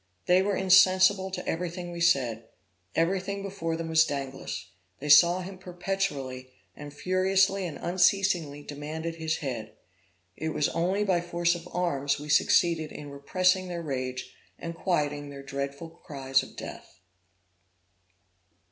They were insensible to everything we said; everything before them was Danglas; they saw him perpetually, and furiously and unceasingly demanded his head. It was only by force of arms we succeeded in repressing their rage, and quieting their dreadful cries of death.